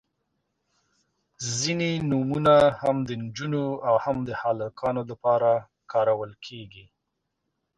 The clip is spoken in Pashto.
• ځینې نومونه هم د نجونو او هم د هلکانو لپاره کارول کیږي.